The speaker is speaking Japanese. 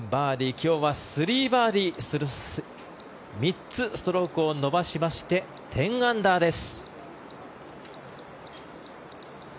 今日は３バーディー３つスコアを伸ばしまして１０アンダーです。